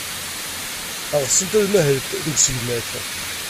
Ɣsent ad mahlent deg usegnaf.